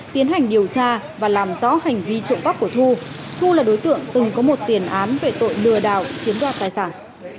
tiến hành điều tra và làm rõ hành vi trộm cắp của thu thu là đối tượng từng có một tiền án về tội lừa đảo chiếm đoạt tài sản